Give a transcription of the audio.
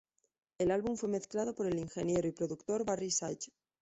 El álbum fue mezclado por el ingeniero y productor Barry Sage.